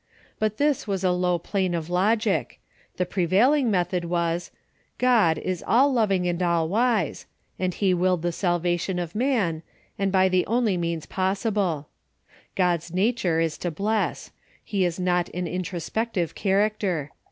But this was a low plane of logic. The prevailing method was : THEOLOGY DURING THE EARLY PERIOD 65 God is all loving and all wise, and he willed the salvation of man, and by the only means possible. God's nature is to bless. He is not an introspective character.